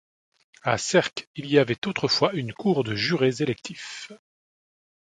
À Sercq, il y avait autrefois une cour de jurés électifs.